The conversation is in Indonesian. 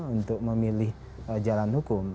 untuk memilih jalan hukum